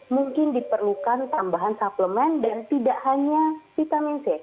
mungkin diperlukan tambahan suplemen dan tidak hanya vitamin c